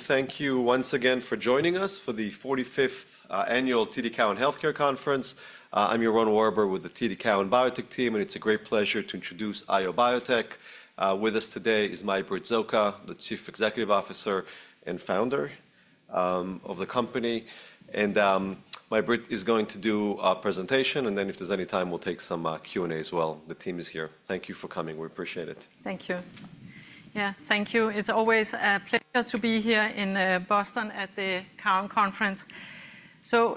Thank you once again for joining us for the 45th Annual TD Cowen Healthcare Conference. I'm Yaron Werber with the TD Cowen Biotech Team, and it's a great pleasure to introduce IO Biotech. With us today is Mai-Britt Zocca, the Chief Executive Officer and Founder of the company. Mai-Britt is going to do a presentation, and then if there's any time, we'll take some Q&A as well. The team is here. Thank you for coming. We appreciate it. Thank you. Yeah, thank you. It's always a pleasure to be here in Boston at the Cowen Conference.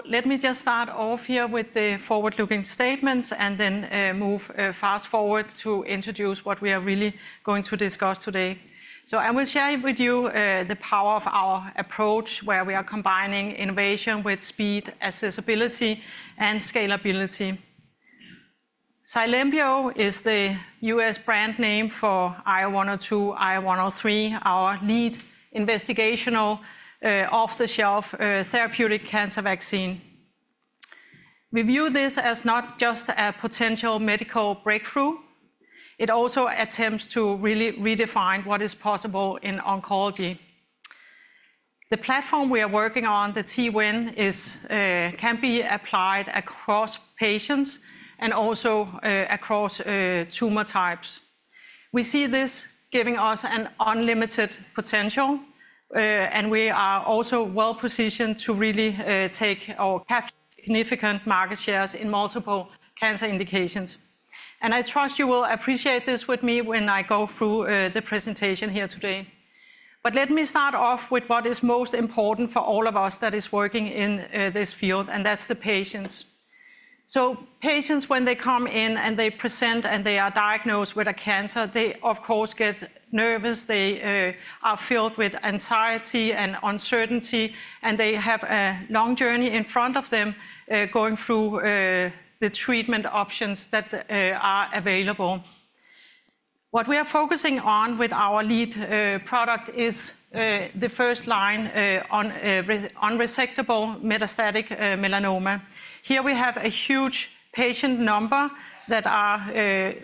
Let me just start off here with the forward-looking statements and then move fast forward to introduce what we are really going to discuss today. I will share with you the power of our approach, where we are combining innovation with speed, accessibility, and scalability. Cylembio is the U.S. brand name for IO102-IO103, our lead investigational off-the-shelf therapeutic cancer vaccine. We view this as not just a potential medical breakthrough; it also attempts to really redefine what is possible in oncology. The platform we are working on, the T-win, can be applied across patients and also across tumor types. We see this giving us an unlimited potential, and we are also well-positioned to really take or capture significant market shares in multiple cancer indications. I trust you will appreciate this with me when I go through the presentation here today. Let me start off with what is most important for all of us that is working in this field, and that's the patients. Patients, when they come in and they present and they are diagnosed with a cancer, they, of course, get nervous. They are filled with anxiety and uncertainty, and they have a long journey in front of them going through the treatment options that are available. What we are focusing on with our lead product is the first-line unresectable metastatic melanoma. Here we have a huge patient number that are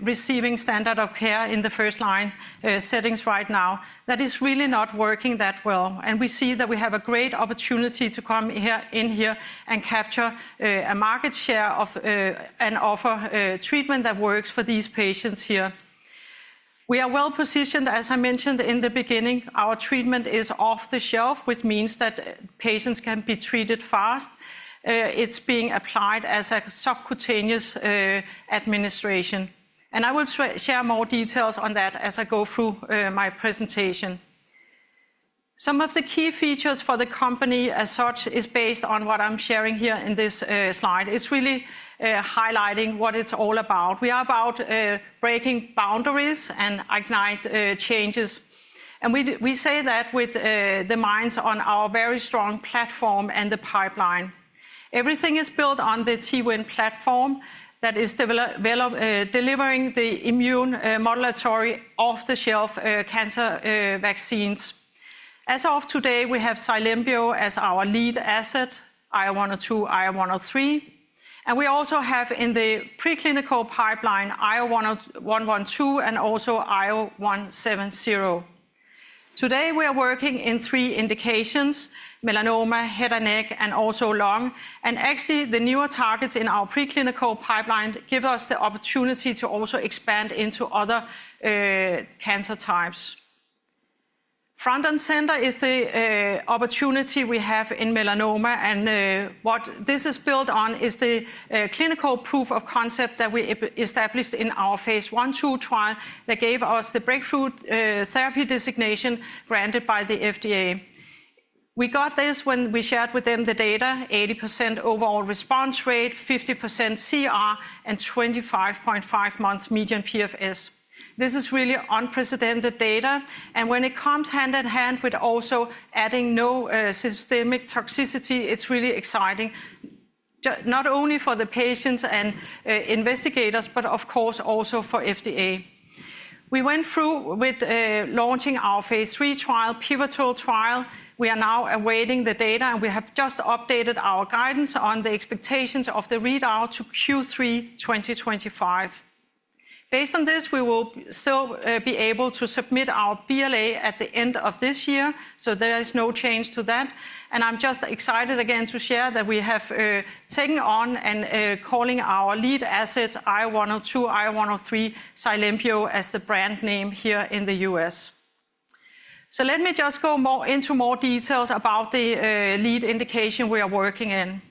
receiving standard of care in the first-line settings right now that is really not working that well. We see that we have a great opportunity to come in here and capture a market share and offer treatment that works for these patients here. We are well-positioned, as I mentioned in the beginning. Our treatment is off-the-shelf, which means that patients can be treated fast. It is being applied as a subcutaneous administration. I will share more details on that as I go through my presentation. Some of the key features for the company as such are based on what I am sharing here in this slide. It is really highlighting what it is all about. We are about breaking boundaries and igniting changes. We say that with the minds on our very strong platform and the pipeline. Everything is built on the T-win platform that is delivering the immune modulatory off-the-shelf cancer vaccines. As of today, we have Cylembio as our lead asset, IO102-IO103. We also have in the preclinical pipeline IO112 and IO170. Today, we are working in three indications: melanoma, head and neck, and lung. Actually, the newer targets in our preclinical pipeline give us the opportunity to also expand into other cancer types. Front and center is the opportunity we have in melanoma, and what this is built on is the clinical proof of concept that we established in our phase I/II trial that gave us the breakthrough therapy designation granted by the FDA. We got this when we shared with them the data: 80% overall response rate, 50% CR, and 25.5 months median PFS. This is really unprecedented data. When it comes hand in hand with also adding no systemic toxicity, it's really exciting not only for the patients and investigators, but of course also for the FDA. We went through with launching our phase III trial, pivotal trial. We are now awaiting the data, and we have just updated our guidance on the expectations of the readout to Q3 2025. Based on this, we will still be able to submit our BLA at the end of this year, so there is no change to that. I am just excited again to share that we have taken on and calling our lead asset IO102-IO103, Cylembio as the brand name here in the U.S. Let me just go into more details about the lead indication we are working in.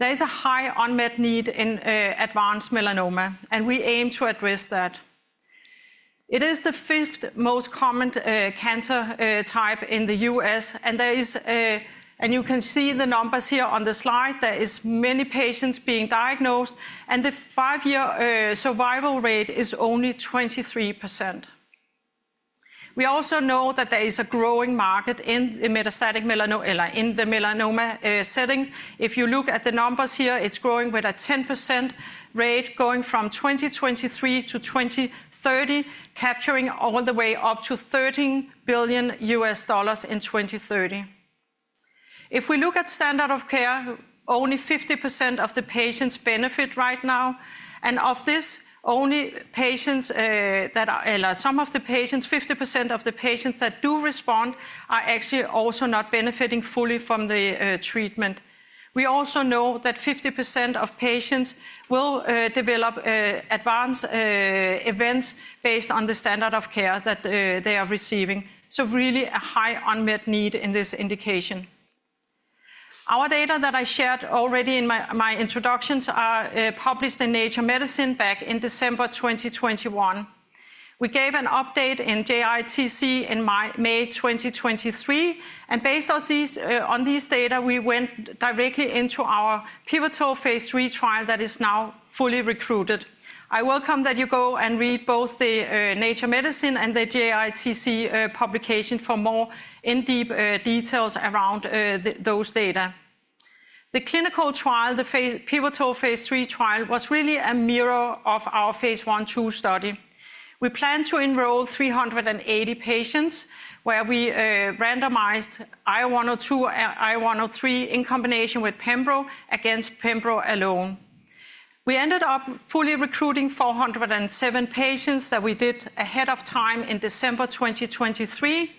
There is a high unmet need in advanced melanoma, and we aim to address that. It is the fifth most common cancer type in the U.S., and there is, and you can see the numbers here on the slide, there are many patients being diagnosed, and the five-year survival rate is only 23%. We also know that there is a growing market in the metastatic melanoma setting. If you look at the numbers here, it's growing with a 10% rate going from 2023-2030, capturing all the way up to $13 billion in 2030. If we look at standard of care, only 50% of the patients benefit right now, and of this, only patients that, some of the patients, 50% of the patients that do respond are actually also not benefiting fully from the treatment. We also know that 50% of patients will develop adverse events based on the standard of care that they are receiving. Is really a high unmet need in this indication. Our data that I shared already in my introductions are published in Nature Medicine back in December 2021. We gave an update in JITC in May 2023, and based on these data, we went directly into our pivotal phase III trial that is now fully recruited. I welcome that you go and read both the Nature Medicine and the JITC publication for more in-depth details around those data. The clinical trial, the pivotal phase III trial, was really a mirror of our phase I/II study. We plan to enroll 380 patients where we randomized IO102-IO103 in combination with pembro against pembro alone. We ended up fully recruiting 407 patients that we did ahead of time in December 2023,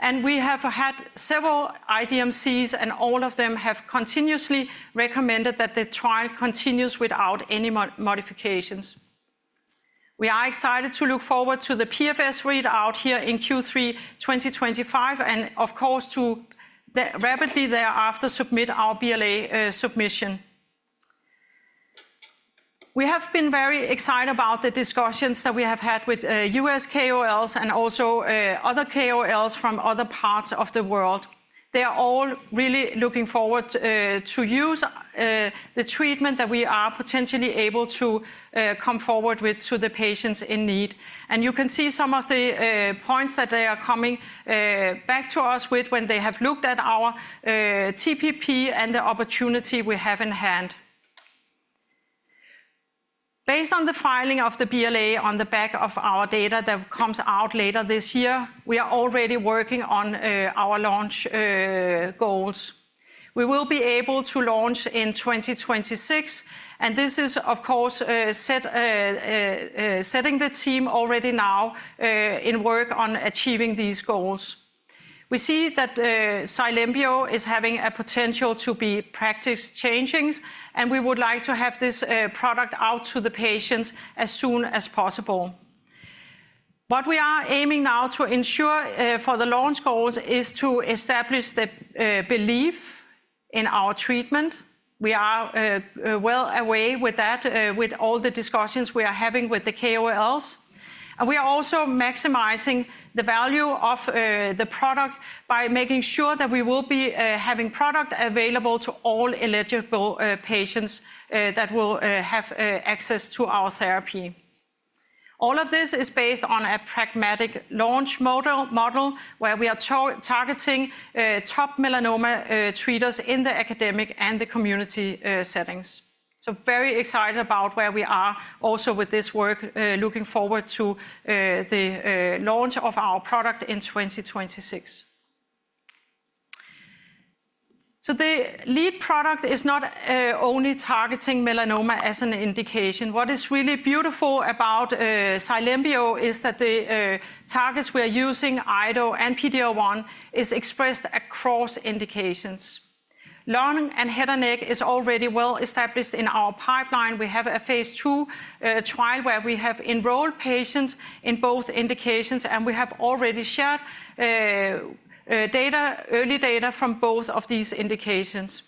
and we have had several IDMCs, and all of them have continuously recommended that the trial continues without any modifications. We are excited to look forward to the PFS readout here in Q3 2025 and, of course, to rapidly thereafter submit our BLA submission. We have been very excited about the discussions that we have had with U.S. KOLs and also other KOLs from other parts of the world. They are all really looking forward to use the treatment that we are potentially able to come forward with to the patients in need. You can see some of the points that they are coming back to us with when they have looked at our TPP and the opportunity we have in hand. Based on the filing of the BLA on the back of our data that comes out later this year, we are already working on our launch goals. We will be able to launch in 2026, and this is, of course, setting the team already now in work on achieving these goals. We see that Cylembio is having a potential to be practice changing, and we would like to have this product out to the patients as soon as possible. What we are aiming now to ensure for the launch goals is to establish the belief in our treatment. We are well aware with that, with all the discussions we are having with the KOLs. We are also maximizing the value of the product by making sure that we will be having product available to all eligible patients that will have access to our therapy. All of this is based on a pragmatic launch model where we are targeting top melanoma treaters in the academic and the community settings. Very excited about where we are also with this work, looking forward to the launch of our product in 2026. The lead product is not only targeting melanoma as an indication. What is really beautiful about Cylembio is that the targets we are using, IDO and PD-1, are expressed across indications. Lung and head and neck is already well-established in our pipeline. We have a phase II trial where we have enrolled patients in both indications, and we have already shared early data from both of these indications.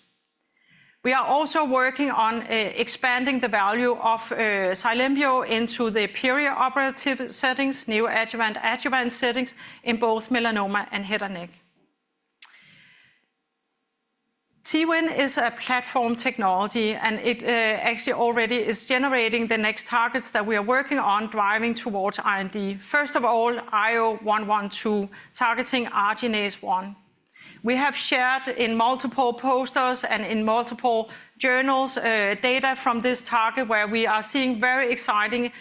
We are also working on expanding the value of Cylembio into the perioperative settings, neoadjuvant, adjuvant settings in both melanoma and head and neck. T-win is a platform technology, and it actually already is generating the next targets that we are working on driving towards IND. First of all, IO112 targeting Arginase 1. We have shared in multiple posters and in multiple journals data from this target where we are seeing very exciting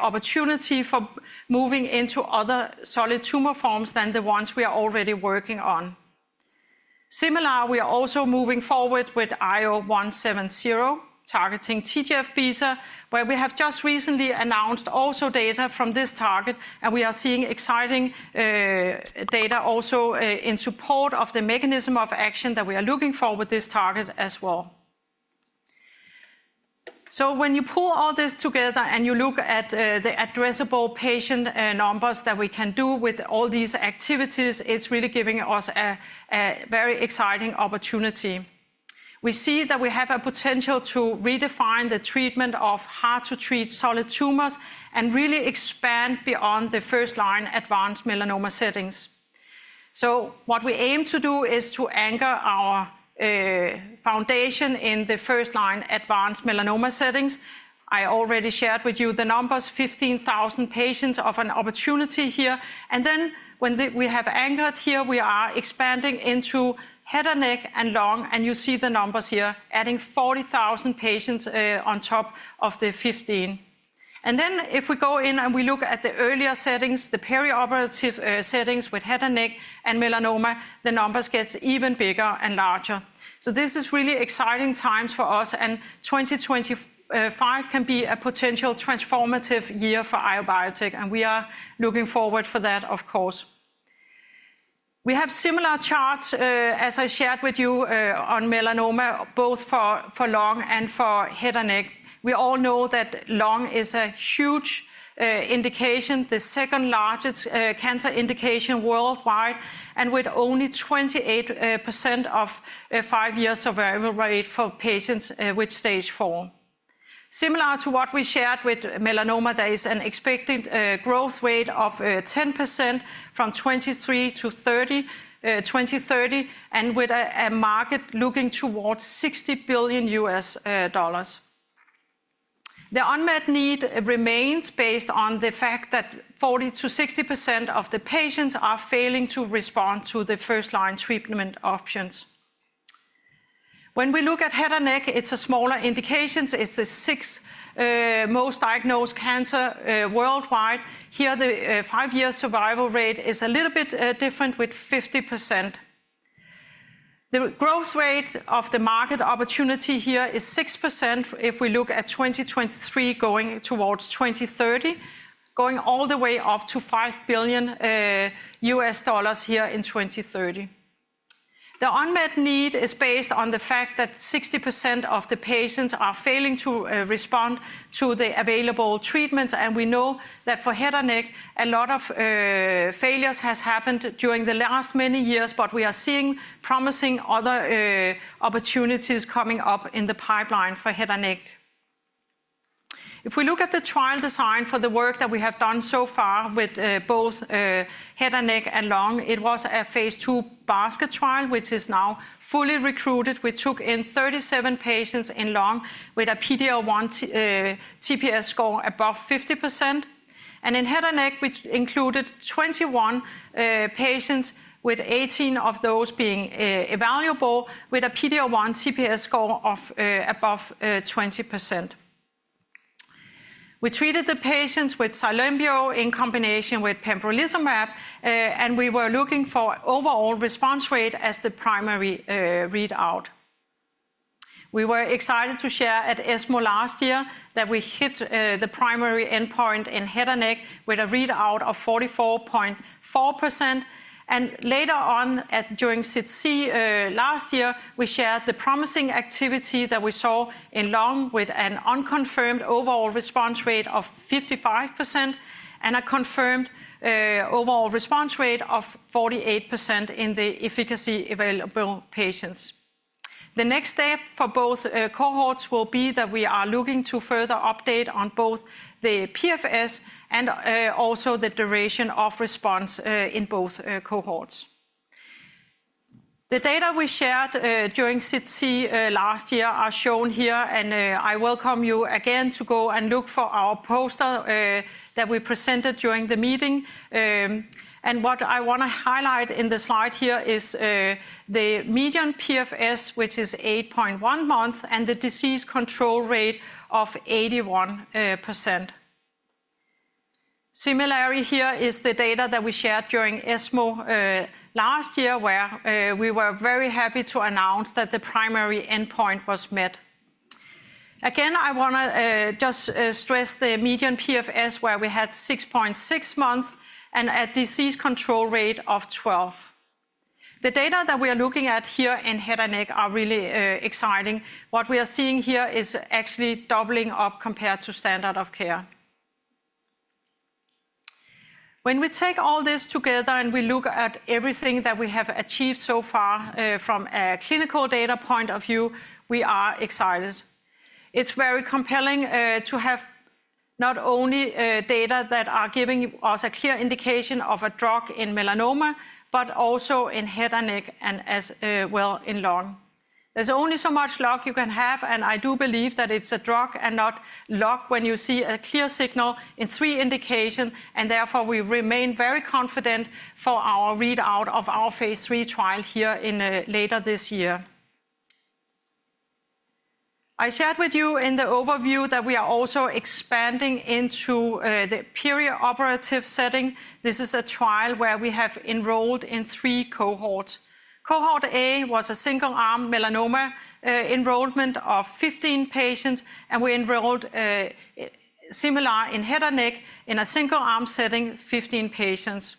opportunity for moving into other solid tumor forms than the ones we are already working on. Similarly, we are also moving forward with IO170 targeting TGF-beta, where we have just recently announced also data from this target, and we are seeing exciting data also in support of the mechanism of action that we are looking for with this target as well. When you pull all this together and you look at the addressable patient numbers that we can do with all these activities, it's really giving us a very exciting opportunity. We see that we have a potential to redefine the treatment of hard-to-treat solid tumors and really expand beyond the first-line advanced melanoma settings. What we aim to do is to anchor our foundation in the first-line advanced melanoma settings. I already shared with you the numbers: 15,000 patients of an opportunity here. When we have anchored here, we are expanding into head and neck and lung, and you see the numbers here, adding 40,000 patients on top of the 15. If we go in and we look at the earlier settings, the perioperative settings with head and neck and melanoma, the numbers get even bigger and larger. This is really exciting times for us, and 2025 can be a potential transformative year for IO Biotech, and we are looking forward for that, of course. We have similar charts, as I shared with you, on melanoma, both for lung and for head and neck. We all know that lung is a huge indication, the second largest cancer indication worldwide, and with only 28% of five-year survival rate for patients with Stage IV. Similar to what we shared with melanoma, there is an expected growth rate of 10% from 2023-2030, and with a market looking towards $60 billion U.S. dollars. The unmet need remains based on the fact that 40%-60% of the patients are failing to respond to the first-line treatment options. When we look at head and neck, it's a smaller indication. It's the sixth most diagnosed cancer worldwide. Here, the five-year survival rate is a little bit different with 50%. The growth rate of the market opportunity here is 6% if we look at 2023 going towards 2030, going all the way up to $5 billion U.S. dollars here in 2030. The unmet need is based on the fact that 60% of the patients are failing to respond to the available treatments, and we know that for head and neck, a lot of failures have happened during the last many years, but we are seeing promising other opportunities coming up in the pipeline for head and neck. If we look at the trial design for the work that we have done so far with both head and neck and lung, it was a phase II basket trial, which is now fully recruited. We took in 37 patients in lung with a PD-L1 TPS score above 50%. And in head and neck, we included 21 patients, with 18 of those being evaluable with a PD-L1 TPS score of above 20%. We treated the patients with Cylembio in combination with pembrolizumab, and we were looking for overall response rate as the primary readout. We were excited to share at ESMO last year that we hit the primary endpoint in head and neck with a readout of 44.4%. Later on during SITC last year, we shared the promising activity that we saw in lung with an unconfirmed overall response rate of 55% and a confirmed overall response rate of 48% in the efficacy available patients. The next step for both cohorts will be that we are looking to further update on both the PFS and also the duration of response in both cohorts. The data we shared during SITC last year are shown here, and I welcome you again to go and look for our poster that we presented during the meeting. What I want to highlight in the slide here is the median PFS, which is 8.1 months, and the disease control rate of 81%. Similarly, here is the data that we shared during ESMO last year, where we were very happy to announce that the primary endpoint was met. Again, I want to just stress the median PFS, where we had 6.6 months and a disease control rate of 12%. The data that we are looking at here in head and neck are really exciting. What we are seeing here is actually doubling up compared to standard of care. When we take all this together and we look at everything that we have achieved so far from a clinical data point of view, we are excited. It's very compelling to have not only data that are giving us a clear indication of a drug in melanoma, but also in head and neck and as well in lung. There's only so much luck you can have, and I do believe that it's a drug and not luck when you see a clear signal in three indications, and therefore we remain very confident for our readout of our phase III trial here later this year. I shared with you in the overview that we are also expanding into the perioperative setting. This is a trial where we have enrolled in three cohorts. Cohort A was a single-arm melanoma enrollment of 15 patients, and we enrolled similar in head and neck in a single-arm setting, 15 patients.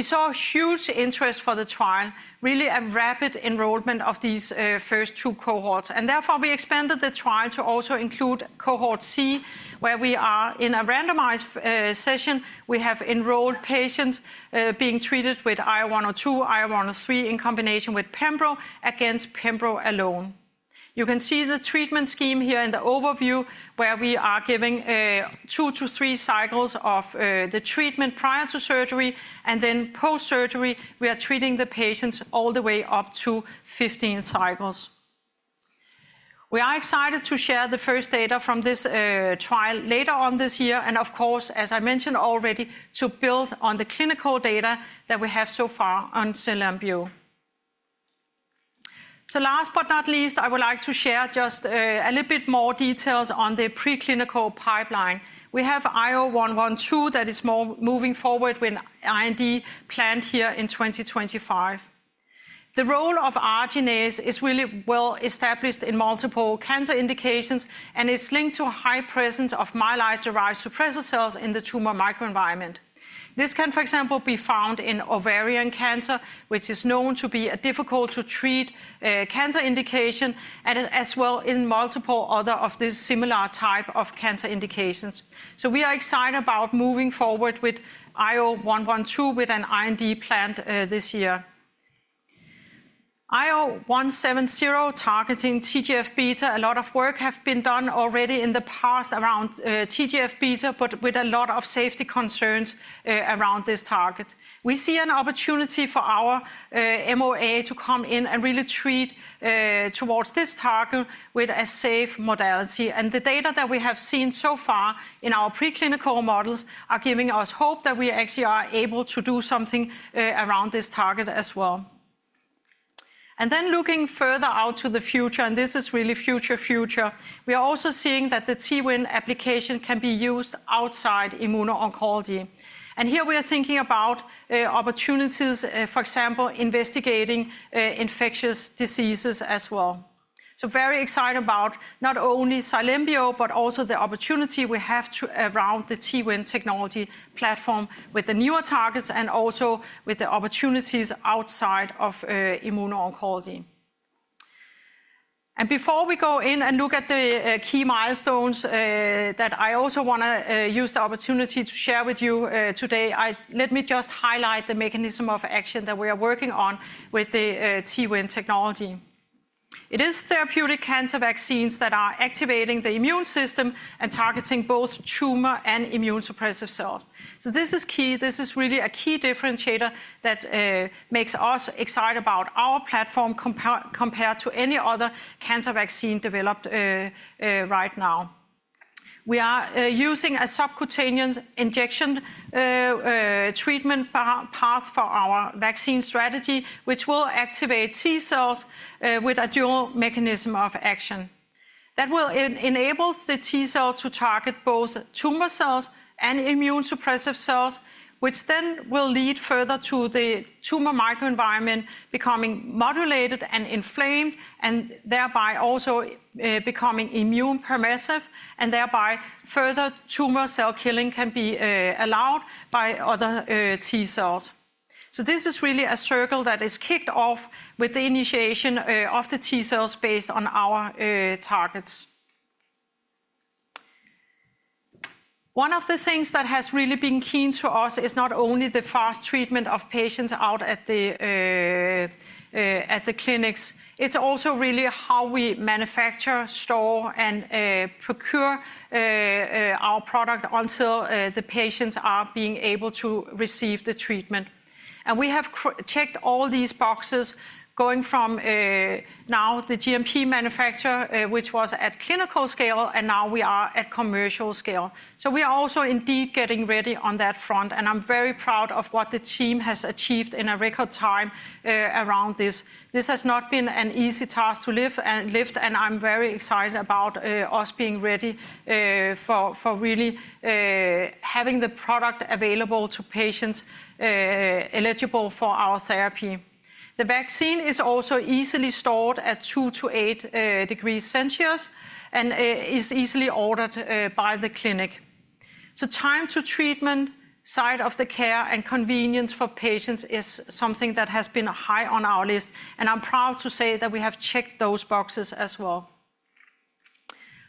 We saw huge interest for the trial, really a rapid enrollment of these first two cohorts. Therefore, we expanded the trial to also include Cohort C, where we are in a randomized session. We have enrolled patients being treated with IO102-IO103 in combination with pembro against pembro alone. You can see the treatment scheme here in the overview, where we are giving two to three cycles of the treatment prior to surgery, and then post-surgery, we are treating the patients all the way up to 15 cycles. We are excited to share the first data from this trial later on this year, and of course, as I mentioned already, to build on the clinical data that we have so far on Cylembio. Last but not least, I would like to share just a little bit more details on the preclinical pipeline. We have IO112 that is moving forward with IND planned here in 2025. The role of Arginase is really well-established in multiple cancer indications, and it's linked to a high presence of myeloid-derived suppressor cells in the tumor microenvironment. This can, for example, be found in ovarian cancer, which is known to be a difficult-to-treat cancer indication, and as well in multiple other of this similar type of cancer indications. We are excited about moving forward with IO112 with an IND planned this year. IO170 targeting TGF-beta. A lot of work has been done already in the past around TGF-beta, but with a lot of safety concerns around this target. We see an opportunity for our MOA to come in and really treat towards this target with a safe modality. The data that we have seen so far in our preclinical models are giving us hope that we actually are able to do something around this target as well. Looking further out to the future, and this is really future future, we are also seeing that the T-win application can be used outside immuno-oncology. Here we are thinking about opportunities, for example, investigating infectious diseases as well. Very excited about not only Cylembio, but also the opportunity we have around the T-win technology platform with the newer targets and also with the opportunities outside of immuno-oncology. Before we go in and look at the key milestones that I also want to use the opportunity to share with you today, let me just highlight the mechanism of action that we are working on with the T-win technology. It is therapeutic cancer vaccines that are activating the immune system and targeting both tumor and immune suppressive cells. This is key. This is really a key differentiator that makes us excited about our platform compared to any other cancer vaccine developed right now. We are using a subcutaneous injection treatment path for our vaccine strategy, which will activate T cells with a dual mechanism of action. That will enable the T cell to target both tumor cells and immune suppressive cells, which then will lead further to the tumor microenvironment becoming modulated and inflamed, and thereby also becoming immune permissive, and thereby further tumor cell killing can be allowed by other T cells. This is really a circle that is kicked off with the initiation of the T cells based on our targets. One of the things that has really been keen to us is not only the fast treatment of patients out at the clinics. It's also really how we manufacture, store, and procure our product until the patients are being able to receive the treatment. We have checked all these boxes going from now the GMP manufacturer, which was at clinical scale, and now we are at commercial scale. We are also indeed getting ready on that front, and I'm very proud of what the team has achieved in a record time around this. This has not been an easy task to lift, and I'm very excited about us being ready for really having the product available to patients eligible for our therapy. The vaccine is also easily stored at 2-8 degrees Celsius and is easily ordered by the clinic. Time to treatment, side of the care, and convenience for patients is something that has been high on our list, and I'm proud to say that we have checked those boxes as well.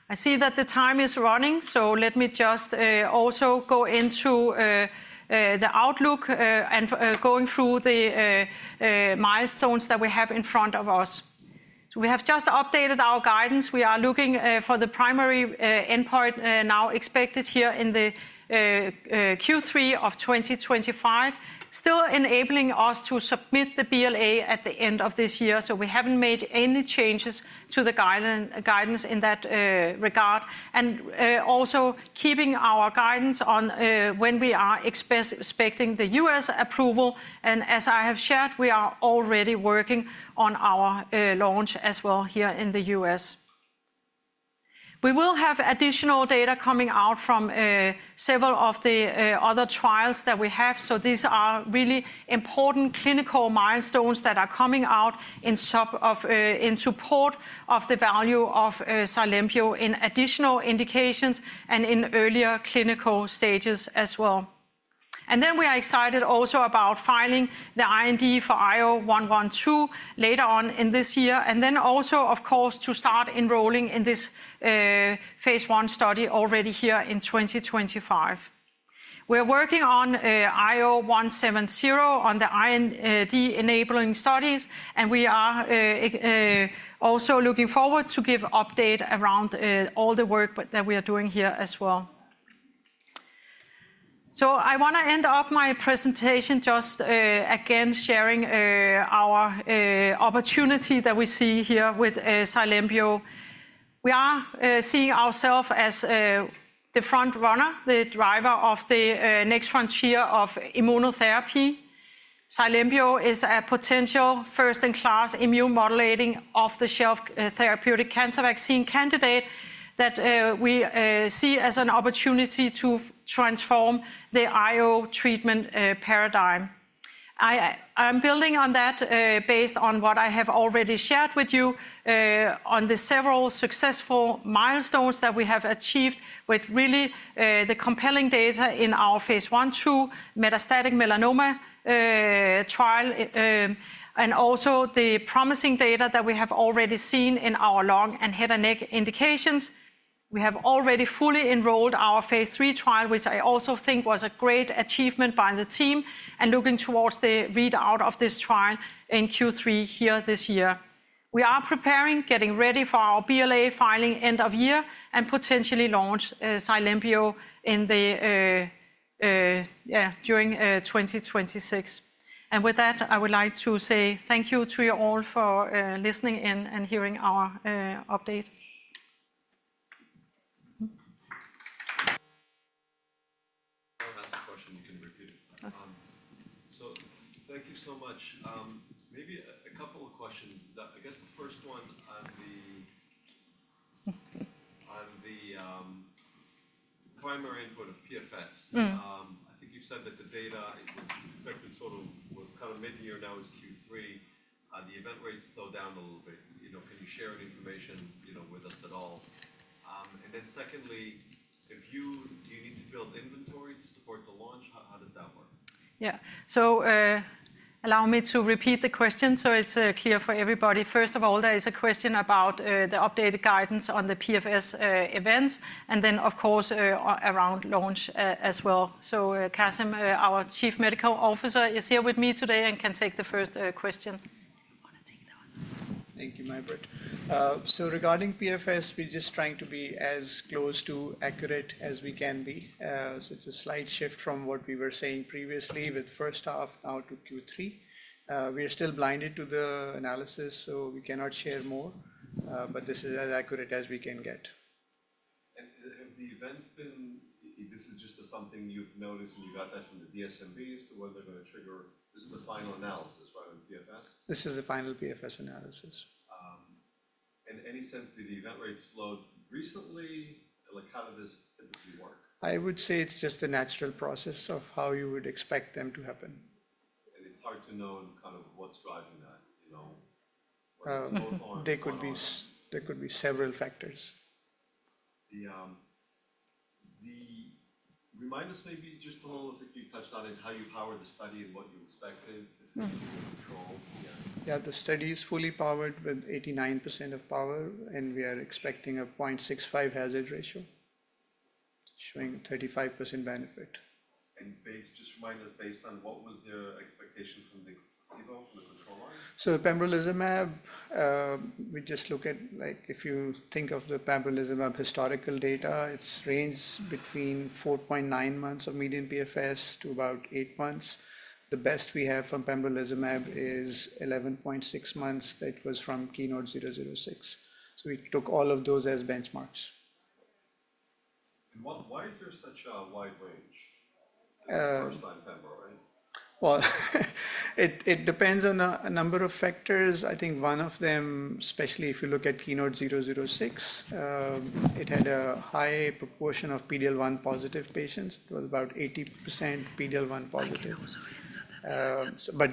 I see that the time is running, so let me just also go into the outlook and going through the milestones that we have in front of us. We have just updated our guidance. We are looking for the primary endpoint now expected here in the Q3 of 2025, still enabling us to submit the BLA at the end of this year. We haven't made any changes to the guidance in that regard, and also keeping our guidance on when we are expecting the U.S. approval. As I have shared, we are already working on our launch as well here in the U.S. We will have additional data coming out from several of the other trials that we have. These are really important clinical milestones that are coming out in support of the value of Cylembio in additional indications and in earlier clinical stages as well. We are excited also about filing the IND for IO112 later on in this year, and then also, of course, to start enrolling in this phase I study already here in 2025. We are working on IO170 on the IND enabling studies, and we are also looking forward to give update around all the work that we are doing here as well. I want to end up my presentation just again sharing our opportunity that we see here with Cylembio. We are seeing ourselves as the front runner, the driver of the next frontier of immunotherapy. Cylembio is a potential first-in-class immune modulating off-the-shelf therapeutic cancer vaccine candidate that we see as an opportunity to transform the IO treatment paradigm. I'm building on that based on what I have already shared with you on the several successful milestones that we have achieved with really the compelling data in our phase I/II metastatic melanoma trial, and also the promising data that we have already seen in our lung and head and neck indications. We have already fully enrolled our phase III trial, which I also think was a great achievement by the team, and looking towards the readout of this trial in Q3 here this year. We are preparing, getting ready for our BLA filing end of year and potentially launch Cylembio during 2026. With that, I would like to say thank you to you all for listening in and hearing our update. I have a question you can repeat. Thank you so much. Maybe a couple of questions. I guess the first one on the primary endpoint of PFS. I think you've said that the data was kind of mid-year, now it's Q3. The event rates slowed down a little bit. Can you share any information with us at all? Secondly, do you need to build inventory to support the launch? How does that work? Yeah. Allow me to repeat the question so it's clear for everybody. First of all, there is a question about the updated guidance on the PFS events, and then of course around launch as well. Qasim, our Chief Medical Officer, is here with me today and can take the first question. Thank you, Mai-Britt. Regarding PFS, we're just trying to be as close to accurate as we can be. It's a slight shift from what we were saying previously with first half now to Q3. We are still blinded to the analysis, so we cannot share more, but this is as accurate as we can get. Have the events been? This is just something you've noticed and you got that from the DSMBs to whether they're going to trigger? This is the final analysis, right, on PFS? This is the final PFS analysis. In any sense, did the event rates slow recently? How did this typically work? I would say it's just a natural process of how you would expect them to happen. It's hard to know kind of what's driving that. They could be several factors. Remind us maybe just a little of what you touched on and how you powered the study and what you expected to see in control. Yeah, the study is fully powered with 89% of power, and we are expecting a 0.65 hazard ratio, showing 35% benefit. Just remind us, based on what was the expectation from the placebo from the control line? Pembrolizumab, we just look at if you think of the pembrolizumab historical data, it's ranged between 4.9 months of median PFS to about eight months. The best we have from pembrolizumab is 11.6 months that was from KEYNOTE-006. We took all of those as benchmarks. Why is there such a wide range? First-time pembro, right? It depends on a number of factors. I think one of them, especially if you look at KEYNOTE-006, it had a high proportion of PD-L1 positive patients. It was about 80% PD-L1 positive.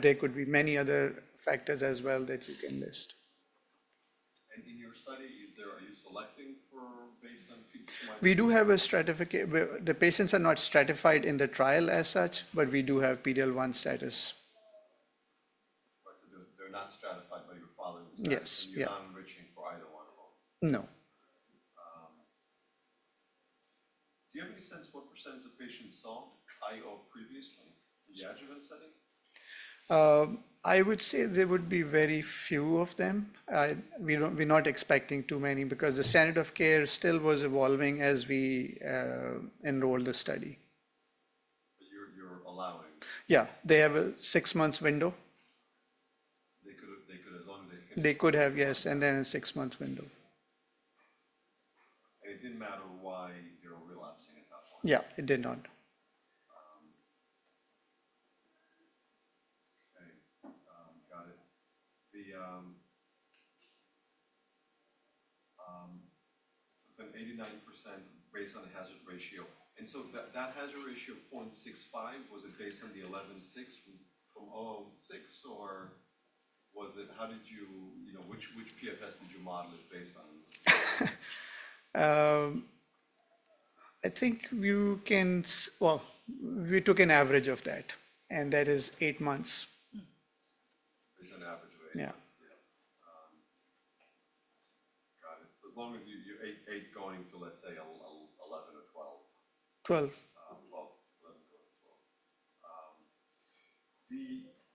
There could be many other factors as well that you can list. In your study, are you selecting based on? We do have a stratification. The patients are not stratified in the trial as such, but we do have PD-L1 status. They're not stratified by your following? Yes. You're not enriching for either one of them? No. Do you have any sense what percent of the patients saw IO previously in the adjuvant setting? I would say there would be very few of them. We're not expecting too many because the standard of care still was evolving as we enrolled the study. You're allowing? Yeah. They have a six-month window. They could as long as they can. They could have, yes. Then a six-month window. It didn't matter why they were relapsing at that point? Yeah, it did not. Okay. Got it. It is an 89% based on the hazard ratio. That hazard ratio of 0.65, was it based on the 11.6 from 006, or how did you, which PFS did you model it based on? I think you can, well, we took an average of that, and that is eight months. Based on average of eight months. Yeah. Got it. As long as you're eight going to, let's say, 11 or 12. 12. 12, 11,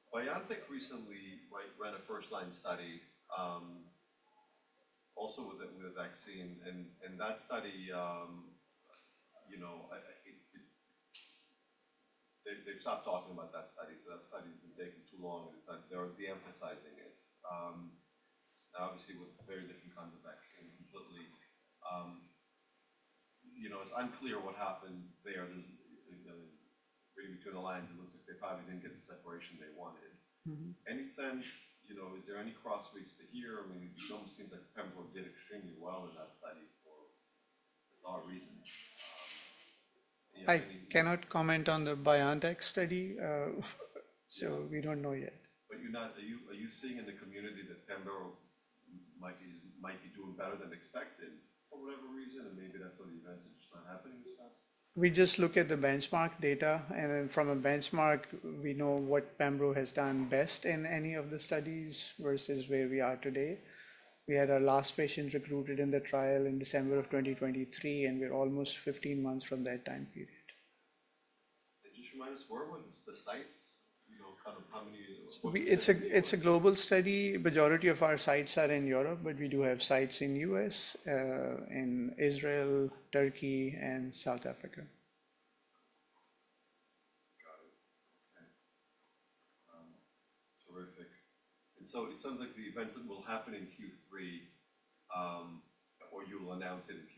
12. BioNTech recently ran a first-line study also with a vaccine. That study, they've stopped talking about that study. That study has been taking too long. They're de-emphasizing it. Obviously, with very different kinds of vaccines completely. It's unclear what happened there. Reading between the lines, it looks like they probably didn't get the separation they wanted. Any sense? Is there any cross-reads to here? I mean, it almost seems like pembro did extremely well in that study for bizarre reasons. I cannot comment on the BioNTech study, so we don't know yet. Are you seeing in the community that pembro might be doing better than expected for whatever reason? Maybe that's why the events are just not happening as fast? We just look at the benchmark data, and then from a benchmark, we know what pembro has done best in any of the studies versus where we are today. We had our last patient recruited in the trial in December of 2023, and we're almost 15 months from that time period. Just remind us, where were the sites? Kind of how many? It's a global study. The majority of our sites are in Europe, but we do have sites in the U.S., in Israel, Turkey, and South Africa. Got it. Okay. Terrific. It sounds like the events that will happen in Q3, or you will announce it in Q3.